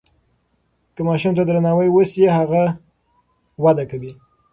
که ماشوم ته درناوی وسي هغه وده کوي.